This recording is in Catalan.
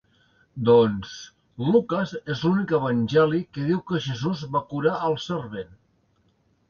Doncs, Lucas és l'únic evangeli que diu que Jesus va curar el servent.